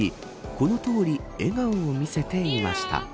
このとおり笑顔を見せていました。